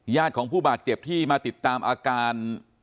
ของผู้บาดเจ็บที่มาติดตามอาการ